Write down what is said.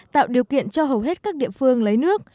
tạo điều kiện cho hầu hết các địa phương lấy nước